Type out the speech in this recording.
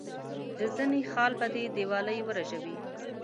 د زنه خال به دي دیوالۍ ورژوي.